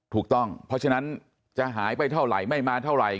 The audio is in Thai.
ถูกต้องเพราะฉะนั้นจะหายไปเท่าไหร่ไม่มาเท่าไหร่